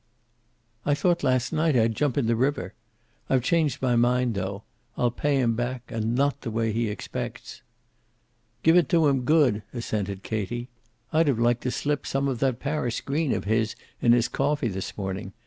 "I thought last night I'd jump in the river. I've changed my mind, though. I'll pay him back, and not the way he expects." "Give it to him good," assented Katie. "I'd have liked to slip some of that Paris green of his in his coffee this morning.